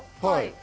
はい！